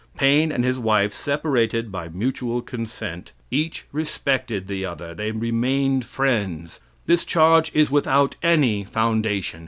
Paine and his wife separated by mutual consent. Each respected the other. They remained friends. This charge is without any foundation.